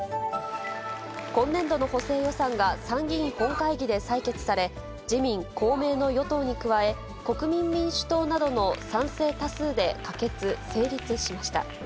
今年度の補正予算が参議院本会議で採決され、自民、公明の与党に加え、国民民主党などの賛成多数で可決・成立しました。